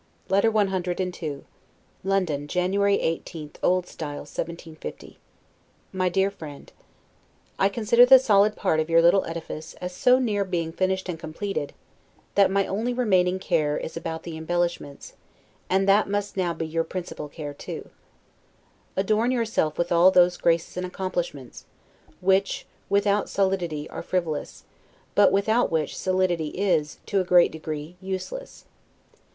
Yours, Adieu. LETTER CII LONDON, January 18, O. S. 1750 MY DEAR FRIEND: I consider the solid part of your little edifice as so near being finished and completed, that my only remaining care is about the embellishments; and that must now be your principal care too. Adorn yourself with all those graces and accomplishments, which, without solidity, are frivolous; but without which solidity is, to a great degree, useless.